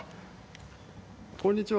こんにちは。